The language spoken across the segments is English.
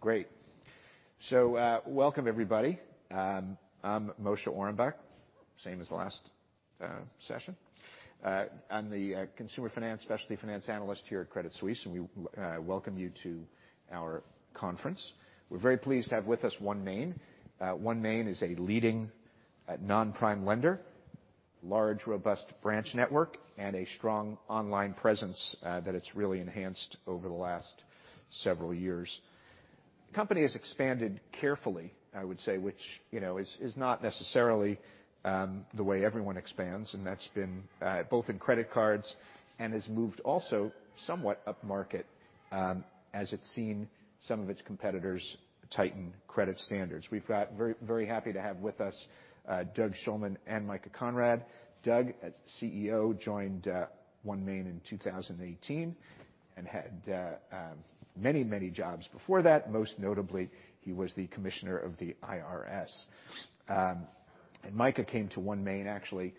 Great. welcome everybody. I'm Moshe Orenbuch, same as the last session. I'm the consumer finance specialty finance analyst here at Credit Suisse, and we welcome you to our conference. We're very pleased to have with us OneMain. OneMain is a leading nonprime lender, large, robust branch network, and a strong online presence that it's really enhanced over the last several years. The company has expanded carefully, I would say, which, you know, is not necessarily the way everyone expands, and that's been both in credit cards and has moved also somewhat upmarket as it's seen some of its competitors tighten credit standards. We've got very happy to have with us Doug Shulman and Micah Conrad. Doug, as CEO, joined OneMain in 2018 and had many jobs before that. Most notably, he was the commissioner of the IRS. Micah came to OneMain, actually,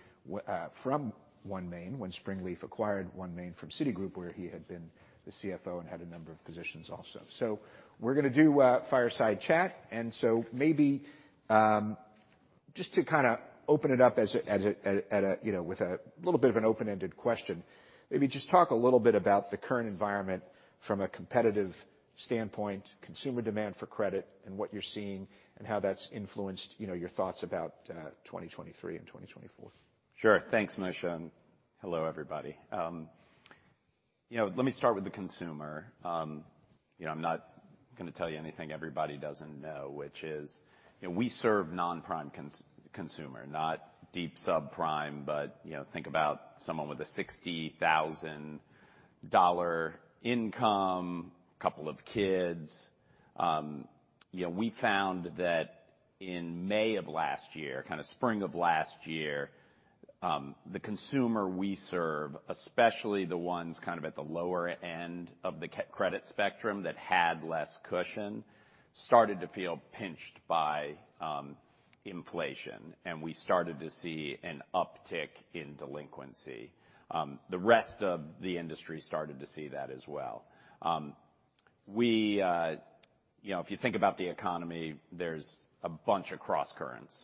from OneMain when Springleaf acquired OneMain from Citigroup, where he had been the CFO and had a number of positions also. We're gonna do a fireside chat, maybe, just to kinda open it up as a, you know, with a little bit of an open-ended question, maybe just talk a little bit about the current environment from a competitive standpoint, consumer demand for credit and what you're seeing and how that's influenced, you know, your thoughts about, 2023 and 2024. Sure. Thanks, Moshe, and hello, everybody. You know, let me start with the consumer. You know, I'm not gonna tell you anything everybody doesn't know, which is, you know, we serve non-prime consumer, not deep subprime, but, you know, think about someone with a $60,000 income, couple of kids. You know, we found that in May of last year, kinda spring of last year, the consumer we serve, especially the ones kind of at the lower end of the credit spectrum that had less cushion, started to feel pinched by inflation, and we started to see an uptick in delinquency. The rest of the industry started to see that as well. We, you know, if you think about the economy, there's a bunch of crosscurrents.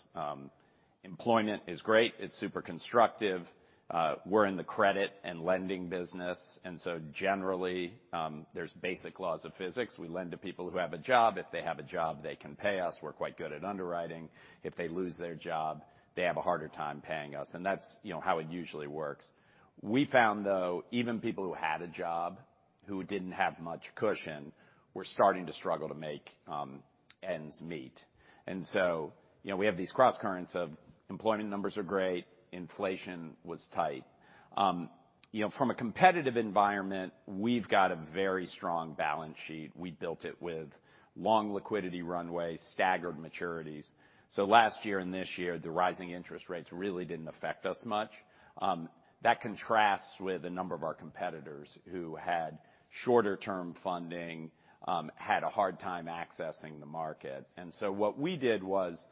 Employment is great, it's super constructive. We're in the credit and lending business, generally, there's basic laws of physics. We lend to people who have a job. If they have a job, they can pay us. We're quite good at underwriting. If they lose their job, they have a harder time paying us, and that's, you know, how it usually works. We found, though, even people who had a job, who didn't have much cushion, were starting to struggle to make ends meet. You know, we have these crosscurrents of employment numbers are great, inflation was tight. You know, from a competitive environment, we've got a very strong balance sheet. We built it with long liquidity runway, staggered maturities. Last year and this year, the rising interest rates really didn't affect us much. That contrasts with a number of our competitors who had shorter-term funding, had a hard time accessing the market. What we did was,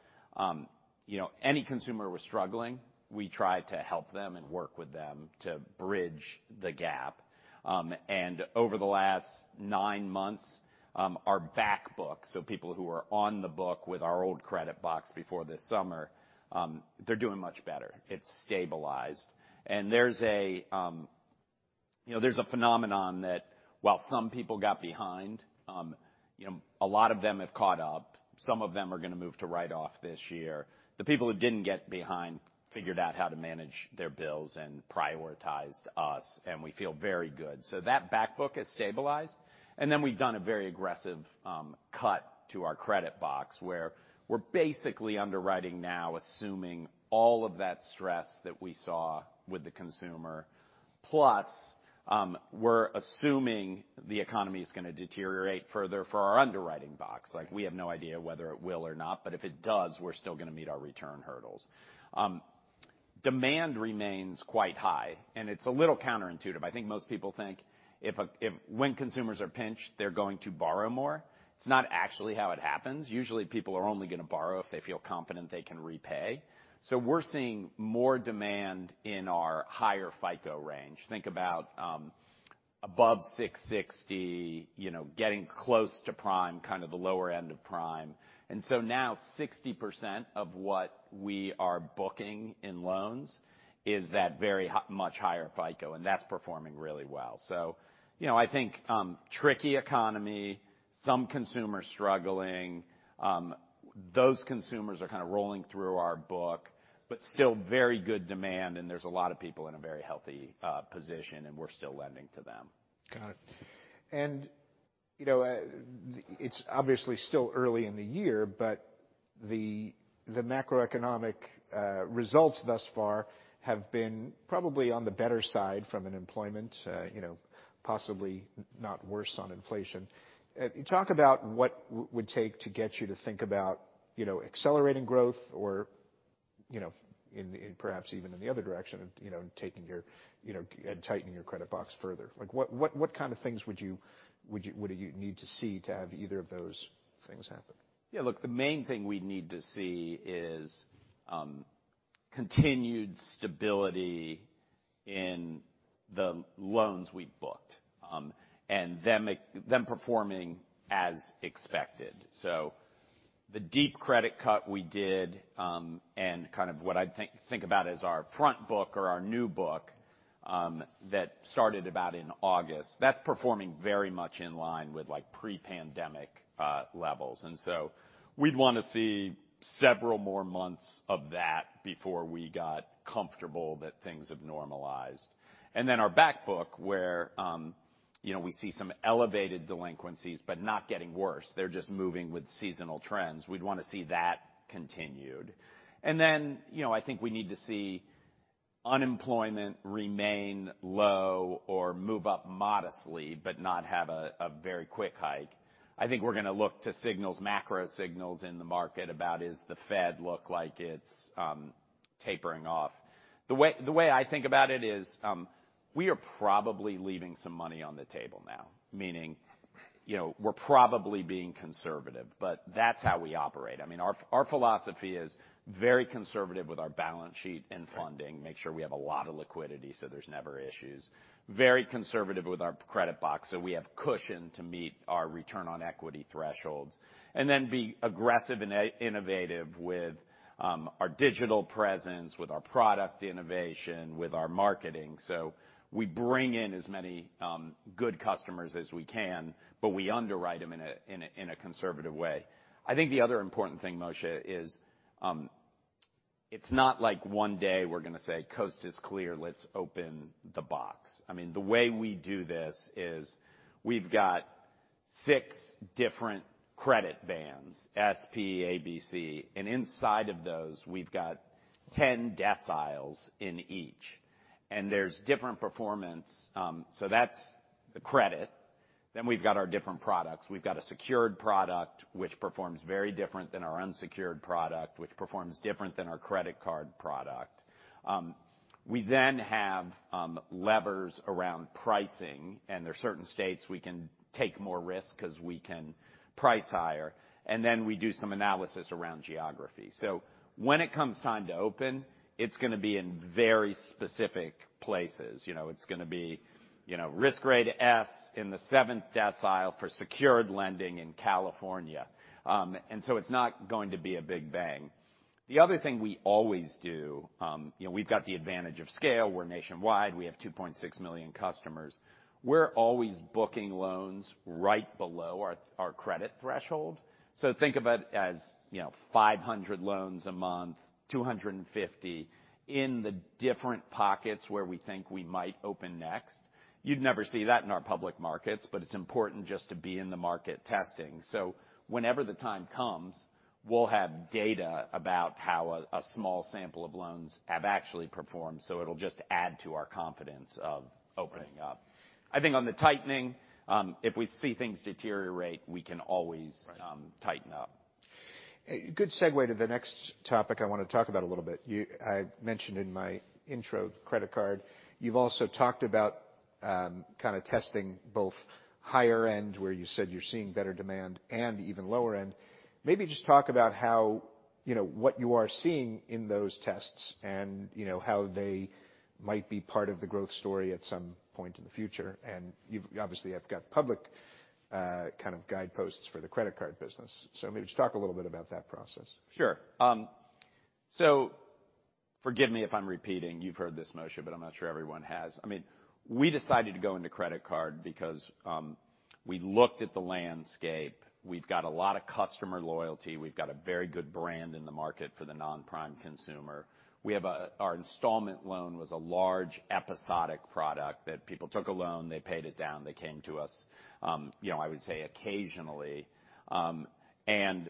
you know, any consumer who was struggling, we tried to help them and work with them to bridge the gap. Over the last nine months, our back book, so people who are on the book with our old credit box before this summer, they're doing much better. It's stabilized. There's a, you know, there's a phenomenon that while some people got behind, you know, a lot of them have caught up. Some of them are gonna move to write off this year. The people who didn't get behind figured out how to manage their bills and prioritized us, and we feel very good. That back book is stabilized. Then we've done a very aggressive cut to our credit box, where we're basically underwriting now assuming all of that stress that we saw with the consumer. We're assuming the economy's gonna deteriorate further for our underwriting box. We have no idea whether it will or not, but if it does, we're still gonna meet our return hurdles. Demand remains quite high, and it's a little counterintuitive. I think most people think when consumers are pinched, they're going to borrow more. It's not actually how it happens. Usually, people are only gonna borrow if they feel confident they can repay. We're seeing more demand in our higher FICO range. Think about above 660, you know, getting close to prime, kind of the lower end of prime. Now 60% of what we are booking in loans is that very much higher FICO, and that's performing really well. You know, I think, tricky economy, some consumers struggling, those consumers are kinda rolling through our book, but still very good demand, and there's a lot of people in a very healthy position, and we're still lending to them. Got it. You know, it's obviously still early in the year, but the macroeconomic results thus far have been probably on the better side from an employment, you know, possibly not worse on inflation. Talk about what would take to get you to think about, you know, accelerating growth or, you know, in perhaps even in the other direction of, you know, taking your, you know, and tightening your credit box further. Like, what kind of things would you need to see to have either of those things happen? Yeah, look, the main thing we'd need to see is continued stability in the loans we booked and them performing as expected. The deep credit cut we did and kind of what I think about as our front book or our new book, that started about in August, that's performing very much in line with, like, pre-pandemic levels. We'd wanna see several more months of that before we got comfortable that things have normalized. Our back book where, you know, we see some elevated delinquencies, but not getting worse. They're just moving with seasonal trends. We'd wanna see that continued. You know, I think we need to see unemployment remain low or move up modestly, but not have a very quick hike. I think we're gonna look to signals, macro signals in the market about is the Fed look like it's tapering off. The way I think about it is, we are probably leaving some money on the table now, meaning, you know, we're probably being conservative, but that's how we operate. I mean, our philosophy is very conservative with our balance sheet and funding, make sure we have a lot of liquidity so there's never issues. Very conservative with our credit box, so we have cushion to meet our return on equity thresholds. Be aggressive and innovative with our digital presence, with our product innovation, with our marketing. We bring in as many good customers as we can, but we underwrite them in a conservative way. I think the other important thing, Moshe, is, it's not like one day we're gonna say, "Coast is clear. Let's open the box." I mean, the way we do this is we've got six different credit bands, S, P, A, B, C, and inside of those we've got 10 deciles in each. There's different performance, so that's the credit. We've got our different products. We've got a secured product, which performs very different than our unsecured product, which performs different than our credit card product. We then have levers around pricing, and there are certain states we can take more risks 'cause we can price higher. We do some analysis around geography. When it comes time to open, it's gonna be in very specific places. You know, it's gonna be, you know, risk grade S in the seventh decile for secured lending in California. It's not going to be a big bang. The other thing we always do, you know, we've got the advantage of scale. We're nationwide. We have 2.6 million customers. We're always booking loans right below our credit threshold. Think of it as, you know, 500 loans a month, 250 in the different pockets where we think we might open next. You'd never see that in our public markets, it's important just to be in the market testing. Whenever the time comes, we'll have data about how a small sample of loans have actually performed, it'll just add to our confidence of opening up. I think on the tightening, if we see things deteriorate. Right. tighten up. A good segue to the next topic I wanna talk about a little bit. I mentioned in my intro credit card, you've also talked about, kinda testing both higher end, where you said you're seeing better demand, and even lower end. Maybe just talk about how, you know, what you are seeing in those tests and, you know, how they might be part of the growth story at some point in the future. You've obviously have got public, kind of guideposts for the credit card business. Maybe just talk a little bit about that process. Sure. Forgive me if I'm repeating. You've heard this, Moshe, but I'm not sure everyone has. I mean, we decided to go into credit card because we looked at the landscape. We've got a lot of customer loyalty. We've got a very good brand in the market for the non-prime consumer. Our installment loan was a large episodic product that people took a loan, they paid it down, they came to us, you know, I would say occasionally.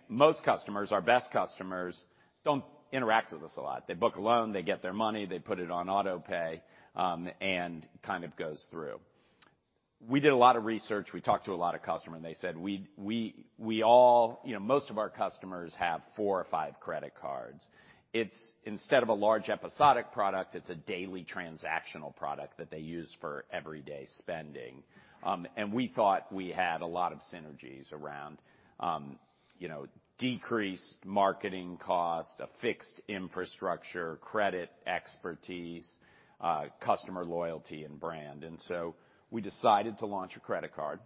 Most customers, our best customers, don't interact with us a lot. They book a loan, they get their money, they put it on auto-pay, and kind of goes through. We did a lot of research. We talked to a lot of customers, and they said we all. You know, most of our customers have four or five credit cards. It's instead of a large episodic product, it's a daily transactional product that they use for everyday spending. We thought we had a lot of synergies around, you know, decreased marketing cost, a fixed infrastructure, credit expertise, customer loyalty, and brand. We decided to launch a credit card.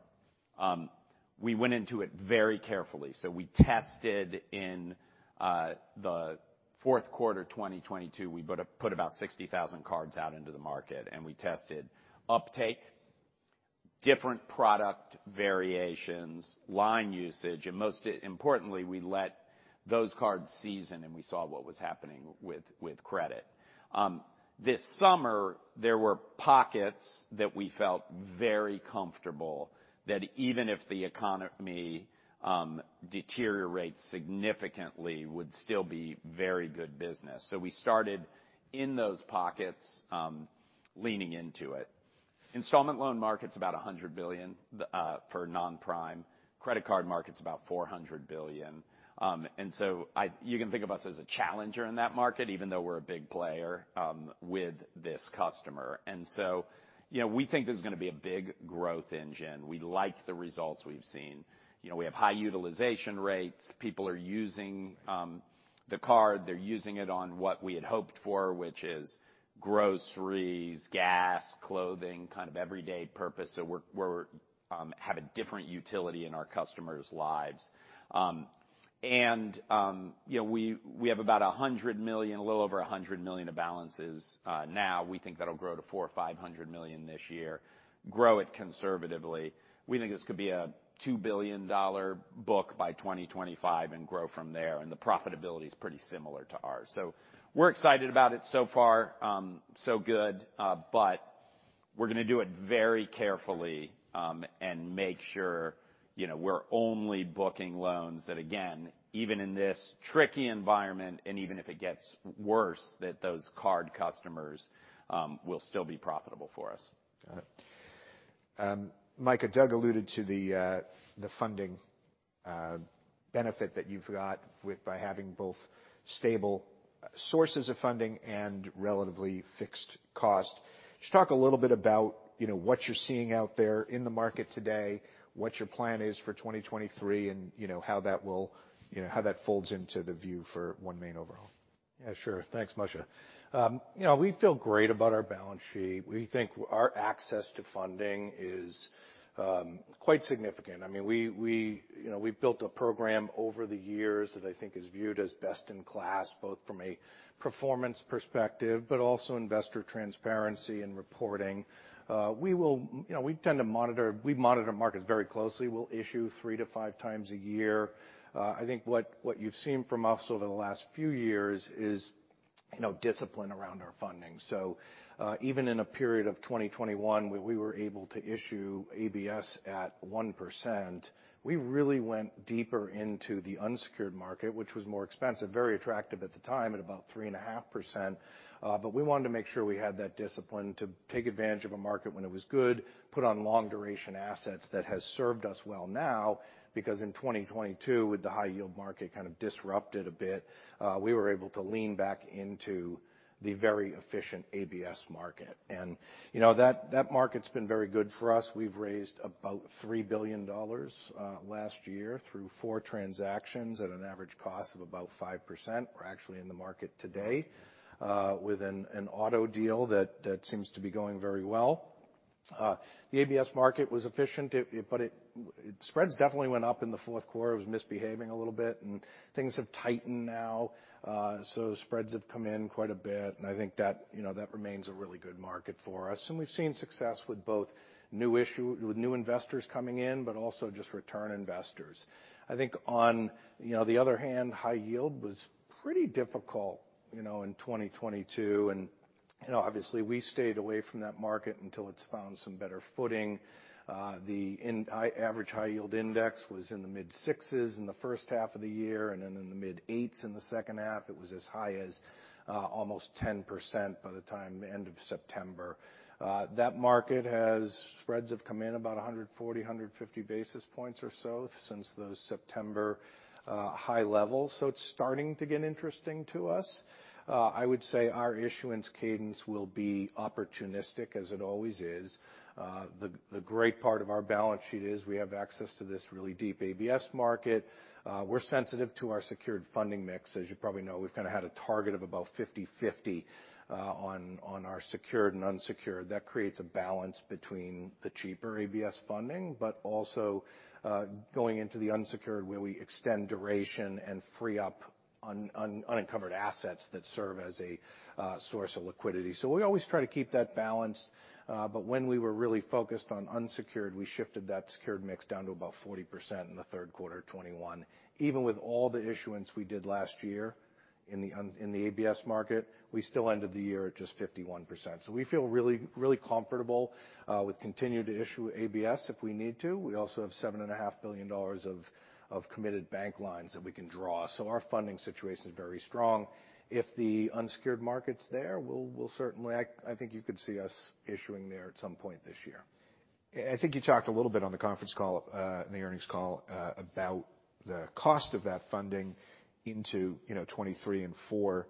We went into it very carefully. We tested in the fourth quarter 2022. We put about 60,000 cards out into the market, and we tested uptake, different product variations, line usage, and most importantly, we let those cards season, and we saw what was happening with credit. This summer, there were pockets that we felt very comfortable that even if the economy deteriorates significantly would still be very good business. We started in those pockets, leaning into it. Installment loan market's about $100 billion for non-prime. Credit card market's about $400 billion. You can think of us as a challenger in that market, even though we're a big player with this customer. You know, we think this is gonna be a big growth engine. We like the results we've seen. You know, we have high utilization rates. People are using the card. They're using it on what we had hoped for, which is groceries, gas, clothing, kind of everyday purpose. We're have a different utility in our customers' lives. You know, we have about $100 million, a little over $100 million of balances now. We think that'll grow to $400 million-$500 million this year, grow it conservatively. We think this could be a $2 billion book by 2025 and grow from there. The profitability is pretty similar to ours. We're excited about it so far. So good. We're gonna do it very carefully, and make sure, you know, we're only booking loans that, again, even in this tricky environment, even if it gets worse, that those card customers will still be profitable for us. Got it. Micah, Doug alluded to the funding benefit that you've got with by having both stable sources of funding and relatively fixed cost. Just talk a little bit about, you know, what you're seeing out there in the market today, what your plan is for 2023, and, you know, how that will, you know, how that folds into the view for OneMain overall. Yeah, sure. Thanks, Moshe. you know, we feel great about our balance sheet. We think our access to funding is quite significant. I mean, we, you know, we've built a program over the years that I think is viewed as best in class, both from a performance perspective, but also investor transparency and reporting. we will, you know, we tend to monitor. We monitor markets very closely. We'll issue three to five times a year. I think what you've seen from us over the last few years is, you know, discipline around our funding. even in a period of 2021, where we were able to issue ABS at 1%, we really went deeper into the unsecured market, which was more expensive, very attractive at the time at about 3.5%. We wanted to make sure we had that discipline to take advantage of a market when it was good, put on long duration assets that has served us well now, because in 2022, with the high yield market kind of disrupted a bit, we were able to lean back into the very efficient ABS market. You know, that market's been very good for us. We've raised about $3 billion last year through four transactions at an average cost of about 5%. We're actually in the market today, with an auto deal that seems to be going very well. The ABS market was efficient, but it spreads definitely went up in the fourth quarter. It was misbehaving a little bit, and things have tightened now. Spreads have come in quite a bit, and I think that, you know, that remains a really good market for us. We've seen success with both new investors coming in, but also just return investors. I think on, you know, the other hand, high yield was pretty difficult, you know, in 2022. You know, obviously, we stayed away from that market until it's found some better footing. The average high yield index was in the mid 6% in the first half of the year, and then in the mid 8s% in the second half. It was as high as almost 10% by the time end of September. Spreads have come in about 140, 150 basis points or so since those September high levels. It's starting to get interesting to us. I would say our issuance cadence will be opportunistic as it always is. The great part of our balance sheet is we have access to this really deep ABS market. We're sensitive to our secured funding mix. As you probably know, we've kinda had a target of about 50/50 on our secured and unsecured. That creates a balance between the cheaper ABS funding, but also going into the unsecured where we extend duration and free up unencumbered assets that serve as a source of liquidity. We always try to keep that balanced, but when we were really focused on unsecured, we shifted that secured mix down to about 40% in the 3rd quarter of 2021. Even with all the issuance we did last year in the ABS market, we still ended the year at just 51%. We feel really, really comfortable with continued issue ABS if we need to. We also have seven and a half billion dollars of committed bank lines that we can draw. Our funding situation is very strong. If the unsecured market's there, we'll certainly, I think you could see us issuing there at some point this year. I think you talked a little bit on the conference call, in the earnings call, about the cost of that funding into, you know, 2023 and 2024.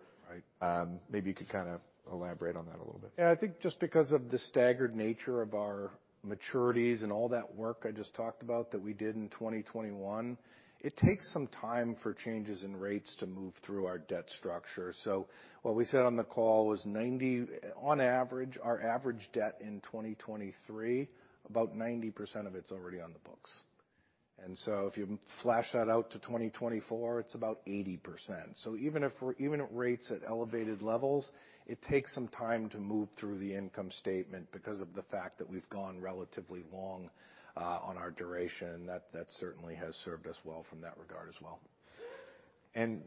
Right. Maybe you could kinda elaborate on that a little bit. Yeah. I think just because of the staggered nature of our maturities and all that work I just talked about that we did in 2021, it takes some time for changes in rates to move through our debt structure. What we said on the call was 90%, on average, our average debt in 2023, about 90% of it's already on the books. If you flash that out to 2024, it's about 80%. Even if we're, even at rates at elevated levels, it takes some time to move through the income statement because of the fact that we've gone relatively long on our duration. That certainly has served us well from that regard as well.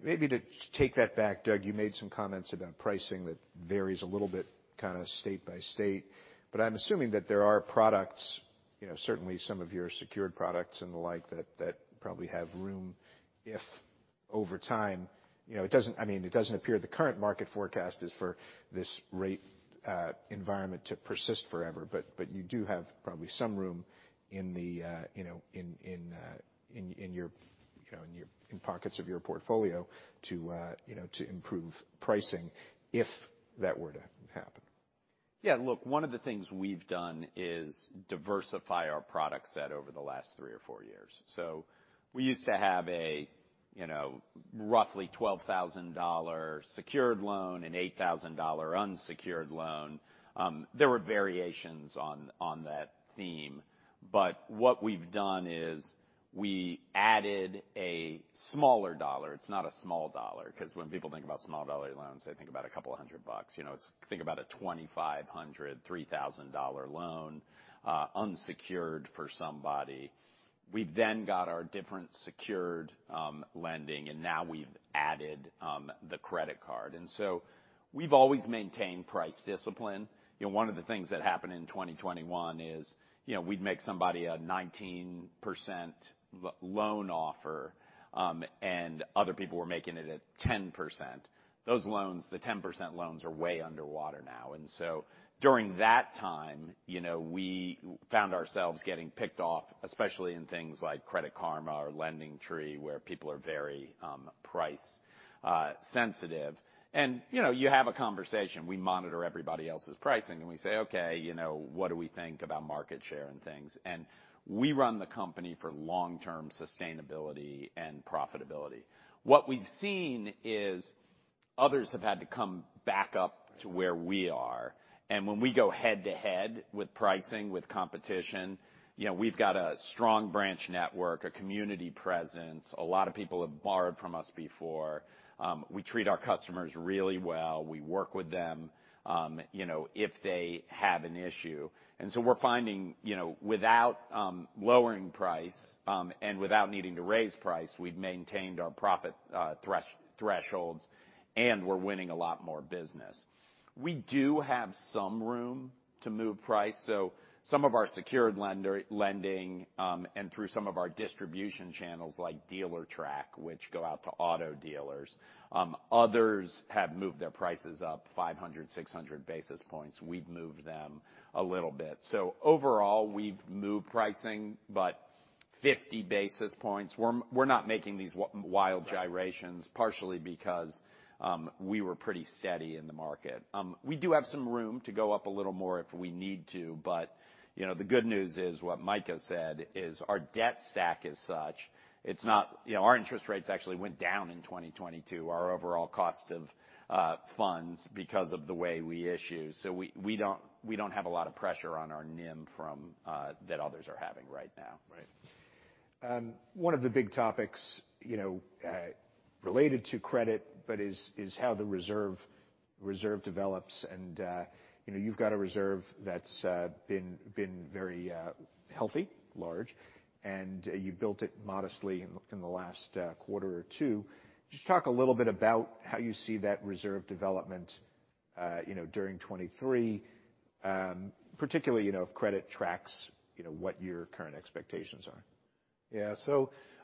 Maybe to take that back, Doug, you made some comments about pricing that varies a little bit kinda state by state, but I'm assuming that there are products, you know, certainly some of your secured products and the like that probably have room if, over time, you know, I mean, it doesn't appear the current market forecast is for this rate environment to persist forever, but you do have probably some room in the, you know, in pockets of your portfolio to, you know, to improve pricing if that were to happen. Yeah. Look, one of the things we've done is diversify our product set over the last three or four years. We used to have a, you know, roughly $12,000 secured loan and $8,000 unsecured loan. There were variations on that theme, but what we've done is we added a smaller dollar. It's not a small dollar, 'cause when people think about small dollar loans, they think about a couple hundred bucks, you know. It's think about a $2,500, $3,000 loan unsecured for somebody. We then got our different secured lending, and now we've added the credit card. We've always maintained price discipline. You know, one of the things that happened in 2021 is, you know, we'd make somebody a 19% loan offer, and other people were making it at 10%. Those loans, the 10% loans are way underwater now. During that time, you know, we found ourselves getting picked off, especially in things like Credit Karma or LendingTree, where people are very price sensitive. You know, you have a conversation. We monitor everybody else's pricing, and we say, "Okay, you know, what do we think about market share and things?" We run the company for long-term sustainability and profitability. We've seen is others have had to come back up to where we are, and when we go head-to-head with pricing, with competition, you know, we've got a strong branch network, a community presence. A lot of people have borrowed from us before. We treat our customers really well. We work with them, you know, if they have an issue. We're finding, you know, without lowering price, and without needing to raise price, we've maintained our profit thresholds, and we're winning a lot more business. We do have some room to move price, so some of our secured lending, and through some of our distribution channels like Dealertrack, which go out to auto dealers, others have moved their prices up 500, 600 basis points. We've moved them a little bit. Overall, we've moved pricing, but 50 basis points. We're not making these wild gyrations partially because, we were pretty steady in the market. We do have some room to go up a little more if we need to, but, you know, the good news is what Micah has said, is our debt stack is such, it's not, You know, our interest rates actually went down in 2022, our overall cost of funds because of the way we issue. We don't have a lot of pressure on our NIM from that others are having right now. Right. One of the big topics, you know, related to credit, but is how the reserve develops and, you know, you've got a reserve that's been very healthy, large, and you built it modestly in the last quarter or two. Just talk a little bit about how you see that reserve development, you know, during 2023, particularly, you know, if credit tracks, you know, what your current expectations are. Yeah.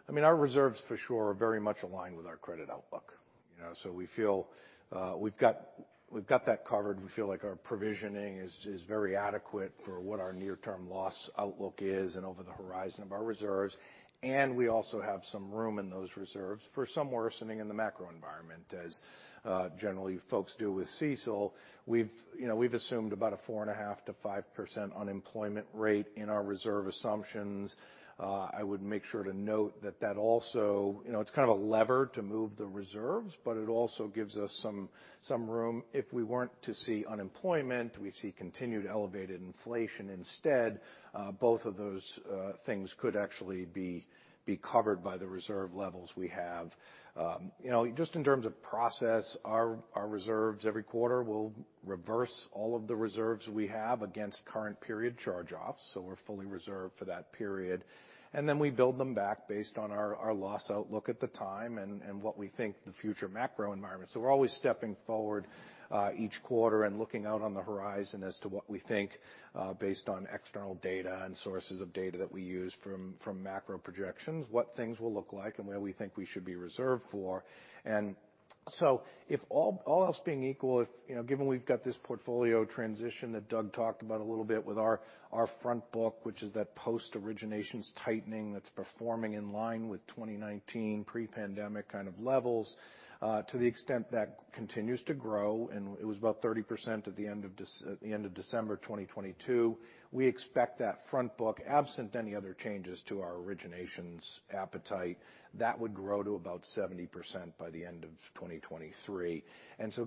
I mean, our reserves for sure are very much aligned with our credit outlook, you know. We feel we've got that covered. We feel like our provisioning is very adequate for what our near-term loss outlook is and over the horizon of our reserves, and we also have some room in those reserves for some worsening in the macro environment, as generally folks do with CECL. We've, you know, we've assumed about a 4.5%-5% unemployment rate in our reserve assumptions. I would make sure to note that also. You know, it's kind of a lever to move the reserves, but it also gives us some room. If we weren't to see unemployment, we see continued elevated inflation instead, both of those things could actually be covered by the reserve levels we have. You know, just in terms of process, our reserves every quarter will reverse all of the reserves we have against current period charge-offs, so we're fully reserved for that period. Then we build them back based on our loss outlook at the time and what we think the future macro environment. We're always stepping forward each quarter and looking out on the horizon as to what we think, based on external data and sources of data that we use from macro projections, what things will look like and where we think we should be reserved for. If all else being equal, if, you know, given we've got this portfolio transition that Doug talked about a little bit with our front book, which is that post-originations tightening that's performing in line with 2019 pre-pandemic kind of levels, to the extent that continues to grow, and it was about 30% at the end of December 2022. We expect that front book, absent any other changes to our originations appetite, that would grow to about 70% by the end of 2023.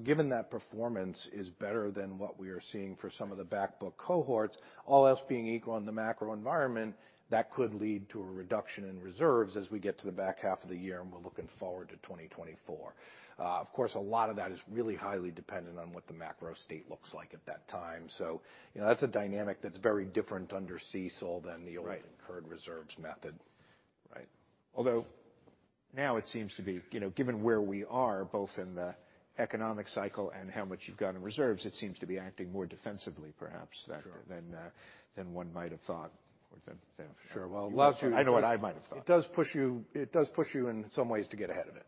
Given that performance is better than what we are seeing for some of the back book cohorts, all else being equal in the macro environment, that could lead to a reduction in reserves as we get to the back half of the year and we're looking forward to 2024. Of course, a lot of that is really highly dependent on what the macro state looks like at that time. You know, that's a dynamic that's very different under CECL than the old incurred reserves method. Right. Although now it seems to be, you know, given where we are, both in the economic cycle and how much you've got in reserves, it seems to be acting more defensively perhaps. Sure. than one might have thought or than. Sure. Well, it allows you- I know what I might have thought. It does push you in some ways to get ahead of it.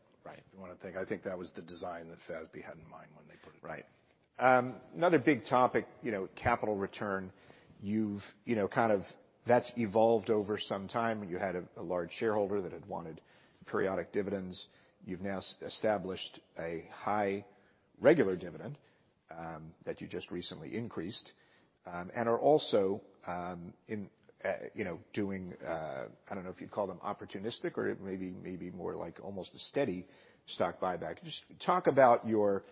I think that was the design that FASB had in mind when they put it in. Right. another big topic, you know, capital return. You've, you know, that's evolved over some time. You had a large shareholder that had wanted periodic dividends. You've now established a high regular dividend, that you just recently increased, and are also, in, you know, doing, I don't know if you'd call them opportunistic or maybe more like almost a steady stock buyback. Just talk about your,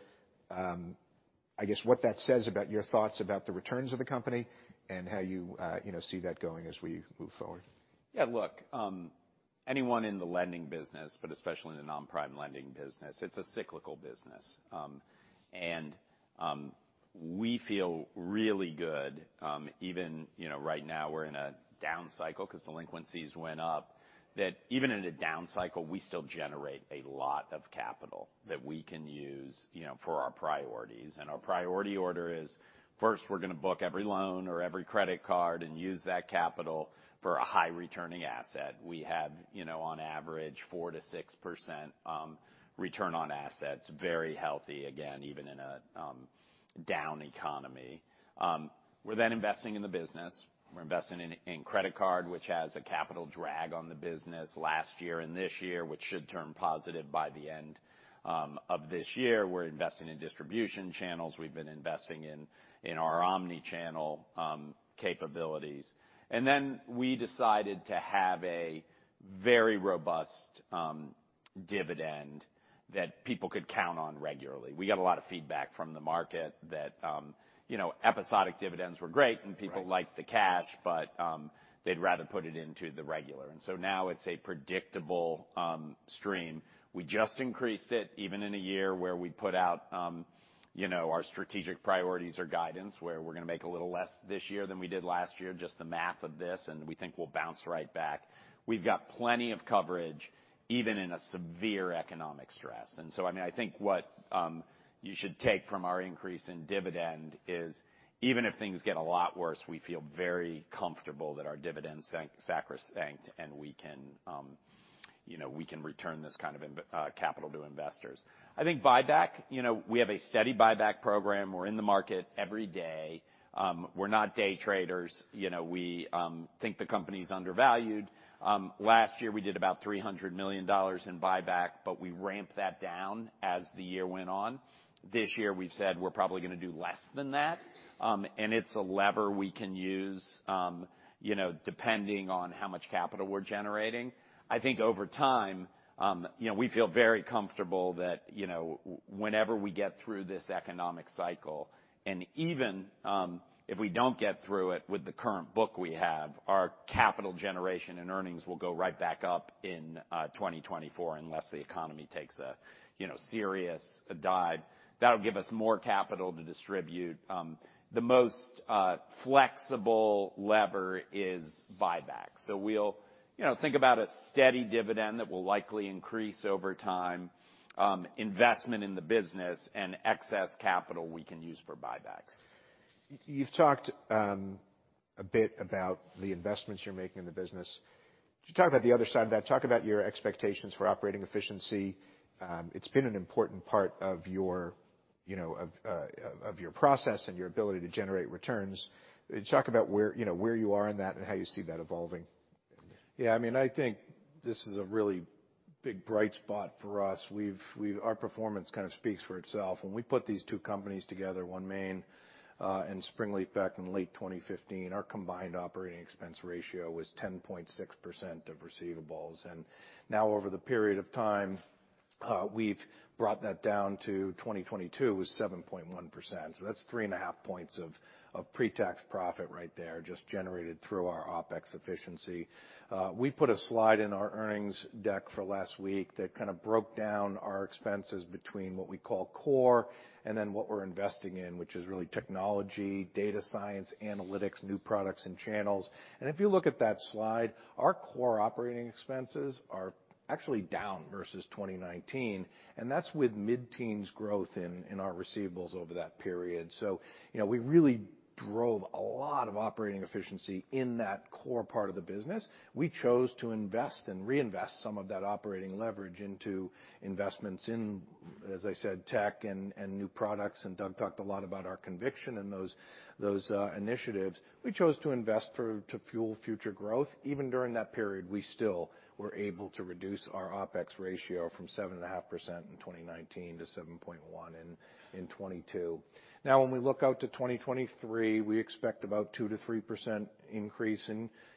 I guess, what that says about your thoughts about the returns of the company and how you know, see that going as we move forward? Yeah, look, anyone in the lending business, but especially in the non-prime lending business, it's a cyclical business. We feel really good, even, you know, right now we're in a down cycle because delinquencies went up. That even in a down cycle, we still generate a lot of capital that we can use, you know, for our priorities. Our priority order is, first, we're gonna book every loan or every credit card and use that capital for a high-returning asset. We have, you know, on average 4%-6% return on assets. Very healthy again, even in a down economy. We're investing in the business. We're investing in credit card, which has a capital drag on the business last year and this year, which should turn positive by the end of this year. We're investing in distribution channels. We've been investing in our omni-channel capabilities. We decided to have a very robust dividend that people could count on regularly. We got a lot of feedback from the market that, you know, episodic dividends were great- Right and people liked the cash, but they'd rather put it into the regular. Now it's a predictable stream. We just increased it even in a year where we put out, you know, our strategic priorities or guidance, where we're gonna make a little less this year than we did last year, just the math of this, and we think we'll bounce right back. We've got plenty of coverage, even in a severe economic stress. I mean, I think what you should take from our increase in dividend is even if things get a lot worse, we feel very comfortable that our dividends than-sacrosanct, and we can, you know, we can return this kind of capital to investors. I think buyback, you know, we have a steady buyback program. We're in the market every day. We're not day traders. You know, we think the company is undervalued. Last year, we did about $300 million in buyback, but we ramped that down as the year went on. This year, we've said we're probably gonna do less than that. It's a lever we can use, you know, depending on how much capital we're generating. I think over time, you know, we feel very comfortable that, you know, whenever we get through this economic cycle, and even if we don't get through it with the current book we have, our capital generation and earnings will go right back up in 2024 unless the economy takes a, you know, serious dive. That'll give us more capital to distribute. The most flexible lever is buyback. We'll, you know, think about a steady dividend that will likely increase over time, investment in the business and excess capital we can use for buybacks. You've talked a bit about the investments you're making in the business. Could you talk about the other side of that? Talk about your expectations for operating efficiency. It's been an important part of your, you know, of your process and your ability to generate returns. Talk about where, you know, where you are in that and how you see that evolving. Yeah, I mean, I think this is a really big bright spot for us. Our performance kind of speaks for itself. When we put these two companies together, OneMain, and Springleaf back in late 2015, our combined operating expense ratio was 10.6% of receivables. Now over the period of time, we've brought that down to 2022 was 7.1%. That's 3.5 points of pre-tax profit right there, just generated through our OpEx efficiency. We put a slide in our earnings deck for last week that kind of broke down our expenses between what we call core and then what we're investing in, which is really technology, data science, analytics, new products, and channels. If you look at that slide, our core operating expenses are actually down versus 2019, and that's with mid-teens growth in our receivables over that period. You know, we really drove a lot of operating efficiency in that core part of the business. We chose to invest and reinvest some of that operating leverage into investments in, as I said, tech and new products. Doug talked a lot about our conviction in those initiatives. We chose to invest to fuel future growth. Even during that period, we still were able to reduce our OpEx ratio from 7.5% in 2019 to 7.1 in 2022. When we look out to 2023, we expect about 2%-3% increase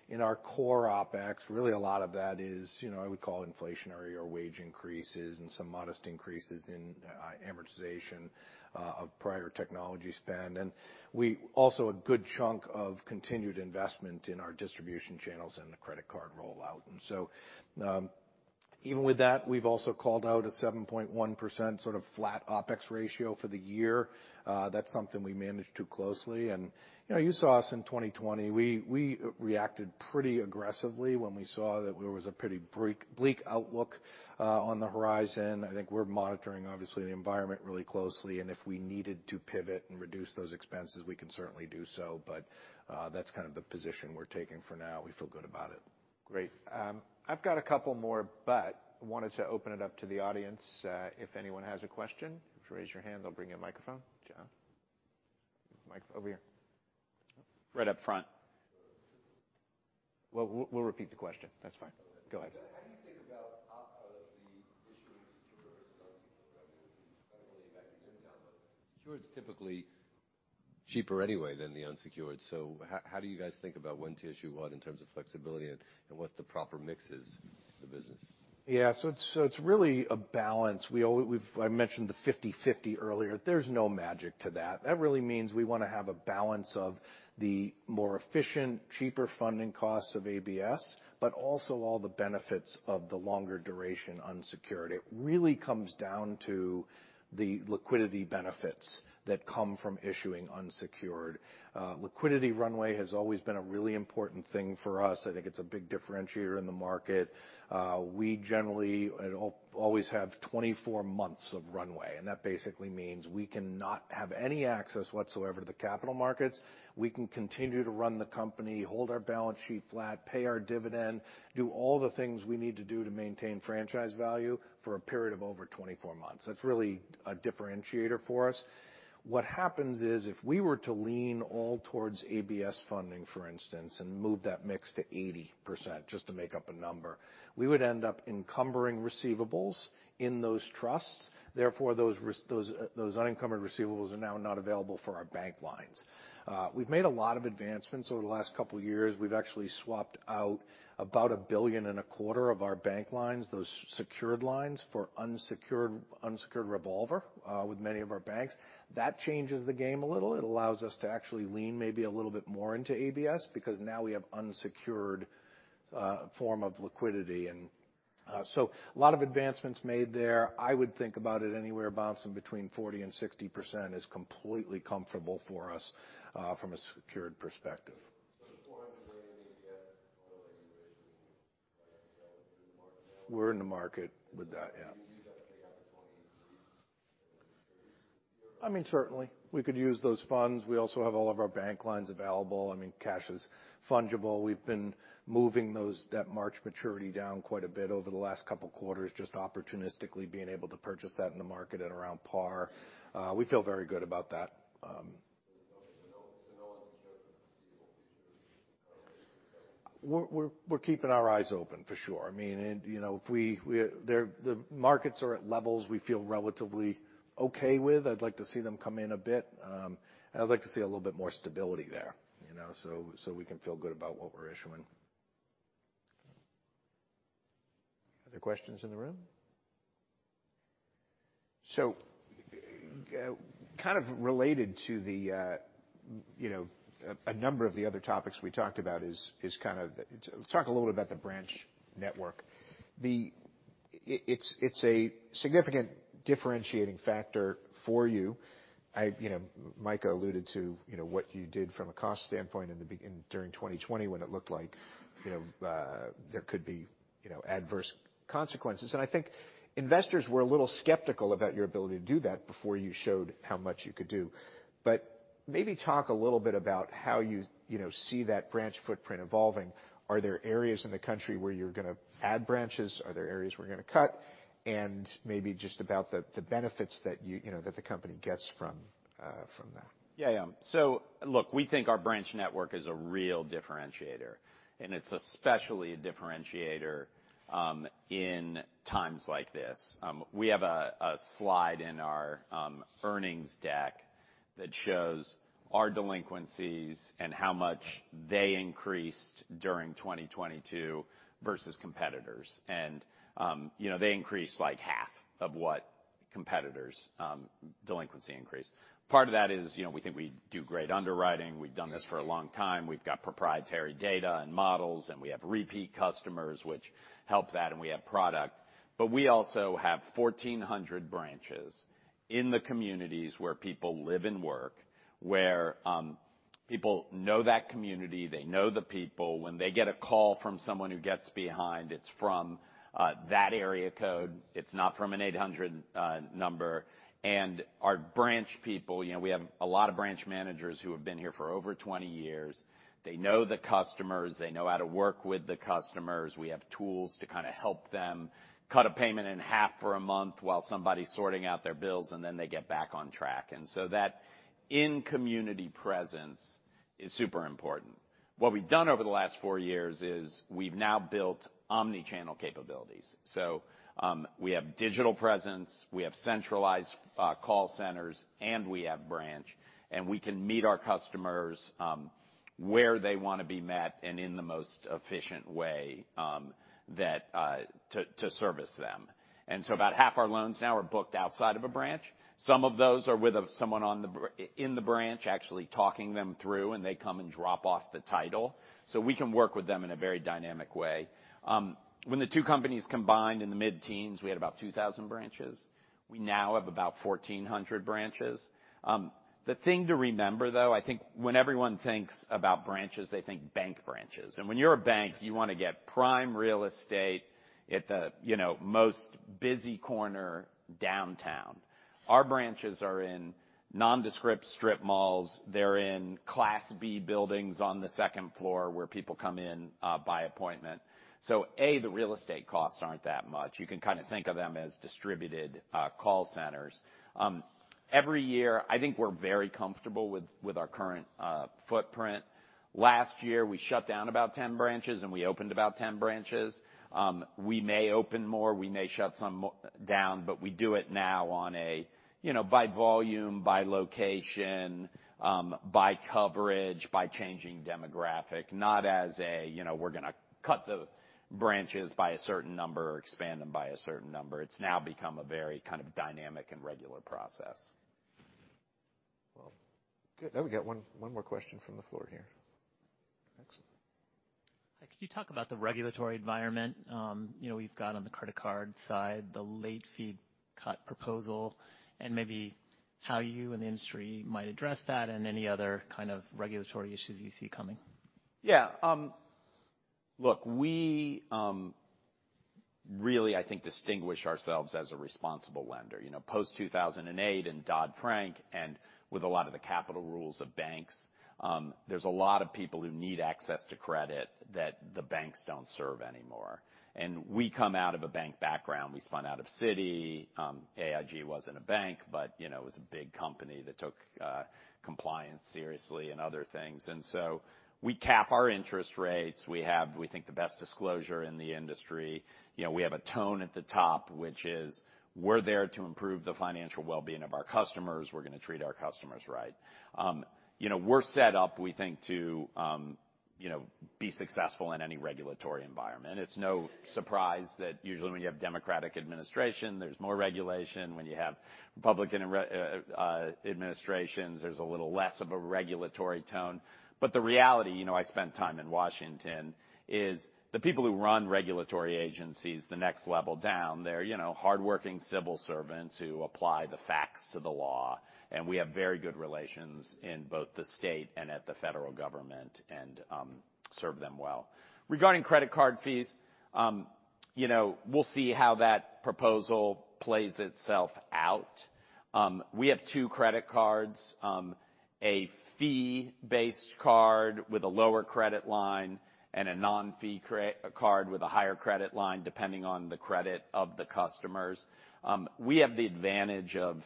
in our core OpEx. Really a lot of that is, you know, I would call it inflationary or wage increases and some modest increases in amortization of prior technology spend. We also a good chunk of continued investment in our distribution channels and the credit card rollout. Even with that, we've also called out a 7.1% sort of flat OpEx ratio for the year. That's something we manage too closely. You know, you saw us in 2020. We reacted pretty aggressively when we saw that there was a pretty bleak outlook on the horizon. I think we're monitoring, obviously, the environment really closely, and if we needed to pivot and reduce those expenses, we can certainly do so. That's kind of the position we're taking for now. We feel good about it. Great. I've got a couple more, but wanted to open it up to the audience. If anyone has a question, just raise your hand. They'll bring you a microphone. John. mic over here. Right up front. We'll repeat the question. That's fine. Go ahead. How do you think about the issuing secured versus unsecured revenues, particularly if I can zoom down? Secured is typically cheaper anyway than the unsecured. How do you guys think about when to issue what in terms of flexibility and what the proper mix is for the business? It's really a balance. I mentioned the 50/50 earlier. There's no magic to that. That really means we wanna have a balance of the more efficient, cheaper funding costs of ABS, but also all the benefits of the longer duration unsecured. It really comes down to the liquidity benefits that come from issuing unsecured. Liquidity runway has always been a really important thing for us. I think it's a big differentiator in the market. We generally and always have 24 months of runway, and that basically means we can not have any access whatsoever to the capital markets. We can continue to run the company, hold our balance sheet flat, pay our dividend, do all the things we need to do to maintain franchise value for a period of over 24 months. That's really a differentiator for us. What happens is, if we were to lean all towards ABS funding, for instance, and move that mix to 80%, just to make up a number, we would end up encumbering receivables in those trusts. Therefore, those unencumbered receivables are now not available for our bank lines. We've made a lot of advancements over the last couple years. We've actually swapped out about a billion and a quarter of our bank lines, those secured lines, for unsecured revolver with many of our banks. That changes the game a little. It allows us to actually lean maybe a little bit more into ABS because now we have unsecured form of liquidity. A lot of advancements made there. I would think about it anywhere bouncing between 40% and 60% is completely comfortable for us from a secured perspective. The $400 million ABS, what are you envisioning, like, going through the market now? We're in the market with that. Yeah. [inaudible] I mean, certainly. We could use those funds. We also have all of our bank lines available. I mean, cash is fungible. We've been moving those, that March maturity down quite a bit over the last couple quarters, just opportunistically being able to purchase that in the market at around par. We feel very good about that. [inaudible] We're keeping our eyes open for sure. I mean, you know, if the markets are at levels we feel relatively okay with. I'd like to see them come in a bit. I'd like to see a little bit more stability there, you know, so we can feel good about what we're issuing. Other questions in the room? Kind of related to the, you know, number of the other topics we talked about is kind of Let's talk a little bit about the branch network. It's a significant differentiating factor for you. You know, Micah alluded to, you know, what you did from a cost standpoint in, during 2020 when it looked like, you know, there could be, you know, adverse consequences. I think investors were a little skeptical about your ability to do that before you showed how much you could do. Maybe talk a little bit about how you know, see that branch footprint evolving. Are there areas in the country where you're gonna add branches? Are there areas where you're gonna cut? Maybe just about the benefits that you know, that the company gets from that. Yeah, yeah. Look, we think our branch network is a real differentiator, and it's especially a differentiator in times like this. We have a slide in our earnings deck that shows our delinquencies and how much they increased during 2022 versus competitors. You know, they increased, like, half of what competitors' delinquency increased. Part of that is, you know, we think we do great underwriting. We've done this for a long time. We've got proprietary data and models, and we have repeat customers which help that, and we have product. We also have 1,400 branches in the communities where people live and work, where people know that community, they know the people. When they get a call from someone who gets behind, it's from that area code. It's not from an 800 number. Our branch people, you know, we have a lot of branch managers who have been here for over 20 years. They know the customers. They know how to work with the customers. We have tools to kinda help them cut a payment in half for a month while somebody's sorting out their bills, and then they get back on track. That in-community presence is super important. What we've done over the last four years is we've now built omni-channel capabilities. We have digital presence, we have centralized call centers, and we have branch, and we can meet our customers where they wanna be met and in the most efficient way that to service them. About half our loans now are booked outside of a branch. Some of those are with someone in the branch, actually talking them through, and they come and drop off the title. We can work with them in a very dynamic way. When the two companies combined in the mid-teens, we had about 2,000 branches. We now have about 1,400 branches. The thing to remember, though, I think when everyone thinks about branches, they think bank branches. When you're a bank, you wanna get prime real estate at the, you know, most busy corner downtown. Our branches are in nondescript strip malls. They're in Class B buildings on the second floor where people come in by appointment. A, the real estate costs aren't that much. You can kind of think of them as distributed call centers. Every year, I think we're very comfortable with our current footprint. Last year, we shut down about 10 branches, and we opened about 10 branches. We may open more, we may shut some down, but we do it now on a, you know, by volume, by location, by coverage, by changing demographic, not as a, you know, we're gonna cut the branches by a certain number or expand them by a certain number. It's now become a very kind of dynamic and regular process. Well, good. Now we got one more question from the floor here. Excellent. Hi. Could you talk about the regulatory environment? You know, we've got on the credit card side the late fee cut proposal, and maybe how you and the industry might address that and any other kind of regulatory issues you see coming. Look, we really, I think, distinguish ourselves as a responsible lender. You know, post 2008 and Dodd-Frank and with a lot of the capital rules of banks, there's a lot of people who need access to credit that the banks don't serve anymore. We come out of a bank background. We spun out of Citi. AIG wasn't a bank, but, you know, it was a big company that took compliance seriously and other things. We cap our interest rates. We have, we think, the best disclosure in the industry. You know, we have a tone at the top, which is we're there to improve the financial well-being of our customers. We're gonna treat our customers right. You know, we're set up, we think to, you know, be successful in any regulatory environment. It's no surprise that usually when you have Democratic administration, there's more regulation. When you have Republican administrations, there's a little less of a regulatory tone. The reality, you know, I spent time in Washington, is the people who run regulatory agencies the next level down, they're, you know, hardworking civil servants who apply the facts to the law. We have very good relations in both the state and at the federal government and serve them well. Regarding credit card fees, you know, we'll see how that proposal plays itself out. We have two credit cards, a fee-based card with a lower credit line and a non-fee card with a higher credit line, depending on the credit of the customers. We have the advantage of...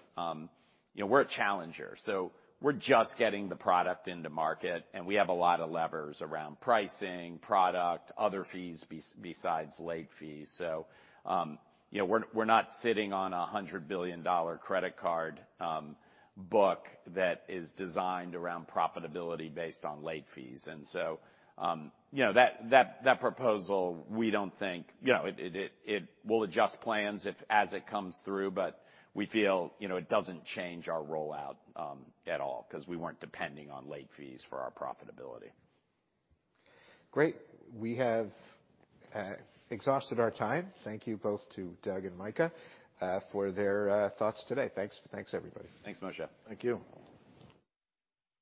You know, we're a challenger, so we're just getting the product into market, and we have a lot of levers around pricing, product, other fees besides late fees. You know, we're not sitting on a $100 billion credit card, book that is designed around profitability based on late fees. You know, that, that proposal, we don't think, you know, We'll adjust plans if as it comes through, but we feel, you know, it doesn't change our rollout, at all, 'cause we weren't depending on late fees for our profitability. Great. We have exhausted our time. Thank you both to Doug and Micah for their thoughts today. Thanks. Thanks, everybody. Thanks, Moshe. Thank you.